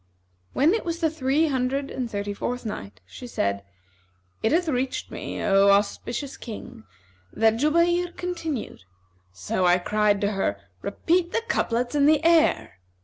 When it was the Three Hundred and Thirty fourth Night, She said, It hath reached me, O auspicious King, that "Jubayr continued, 'So cried I to her, Repeat the couplets and the air!'